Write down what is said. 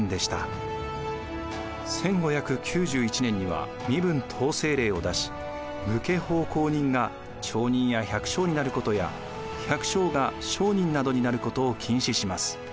１５９１年には身分統制令を出し武家奉公人が町人や百姓になることや百姓が商人などになることを禁止します。